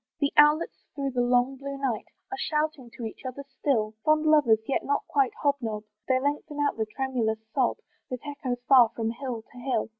The owlets through the long blue night Are shouting to each other still: Fond lovers, yet not quite hob nob, They lengthen out the tremulous sob, That echoes far from hill to hill.